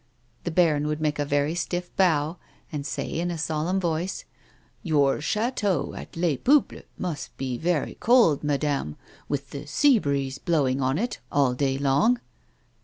The baron would make a very stiff bow, and say in a solemn voice :" Your chateau at Les Peuples must be very cold, madame, with the sea breeze blowing on it all day long."